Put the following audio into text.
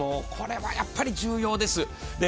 これはやっぱり重要です。